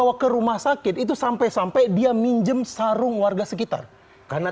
mbak bambang motivasi bahwa ternyata memang sudah sekitar seratus juta ke seratus miliar